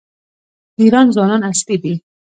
د ایران ځوانان عصري دي.